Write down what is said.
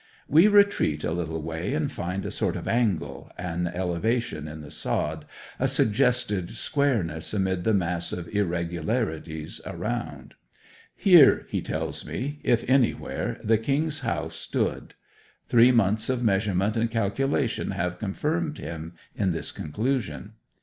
We retreat a little way and find a sort of angle, an elevation in the sod, a suggested squareness amid the mass of irregularities around. Here, he tells me, if anywhere, the king's house stood. Three months of measurement and calculation have confirmed him in this conclusion.